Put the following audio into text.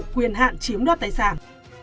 quyền hạn chiếm đoát tài sản